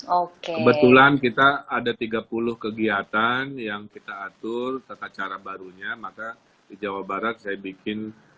oke kebetulan kita ada tiga puluh kegiatan yang kita atur tata cara barunya maka di jawa barat saya bikin